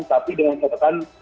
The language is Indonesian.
tapi dengan catatan